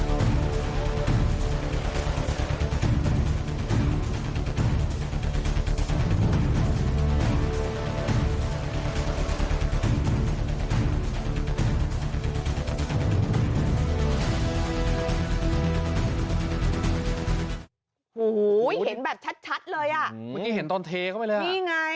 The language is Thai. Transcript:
โอ้โหเห็นแบบชัดเลยอ่ะเมื่อกี้เห็นตอนเทเข้าไปแล้วนี่ไง